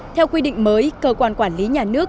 theo quy định mới cơ quan quản lý nhà nước